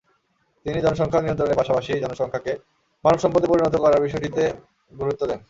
তিনি জনসংখ্যা নিয়ন্ত্রণের পাশাপাশি জনসংখ্যাকে মানবসম্পদে পরিণত করার বিষয়টিতে গুরুত্ব দেন।